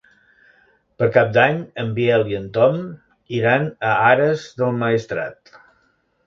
Per Cap d'Any en Biel i en Tom iran a Ares del Maestrat.